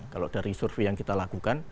kalau dari survei yang kita lakukan